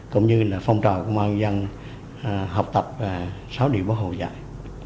cũng như là phong trào công an dân học tập sáu điểm báo hồ dạy